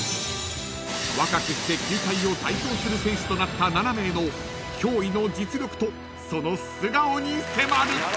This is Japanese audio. ［若くして球界を代表する選手となった７名の驚異の実力とその素顔に迫る！］